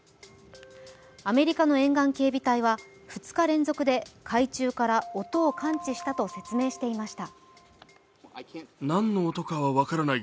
アメリカの沿岸警備隊は２日連続で海中から音を感知したと説明していました。